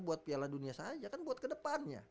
buat piala dunia saja kan buat kedepannya